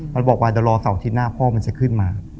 มันบอกว่าเดี๋ยวรอเสาร์อาทิตย์หน้าพ่อมันจะขึ้นมา